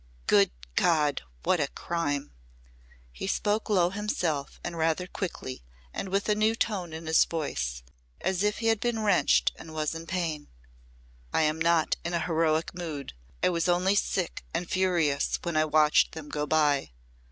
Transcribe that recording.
Good God! What a crime!" He spoke low himself and rather quickly and with a new tone in his voice as if he had been wrenched and was in pain. "I am not in a heroic mood. I was only sick and furious when I watched them go by.